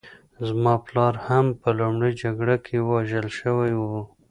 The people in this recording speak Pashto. زما پلار هم په لومړۍ جګړه کې وژل شوی و